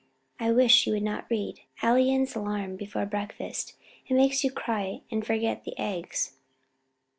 I wish you would not read Alleyne's 'Alarm' before breakfast; it makes you cry and forget the eggs."